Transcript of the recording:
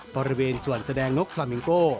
บริเวณส่วนแสดงนกซามิงโก้